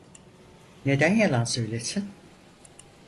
Neden yalan söylesin?